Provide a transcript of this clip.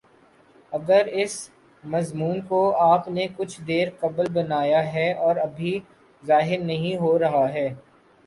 اگر اس مضمون کو آپ نے کچھ دیر قبل بنایا ہے اور ابھی ظاہر نہیں ہو رہا ہے